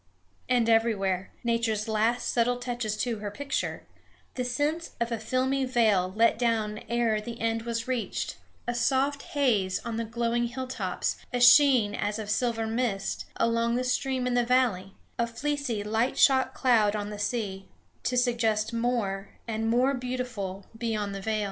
And everywhere Nature's last subtle touches to her picture the sense of a filmy veil let down ere the end was reached, a soft haze on the glowing hilltops, a sheen as of silver mist along the stream in the valley, a fleecy light shot cloud on the sea, to suggest more, and more beautiful, beyond the veil.